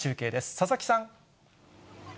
佐々木さん。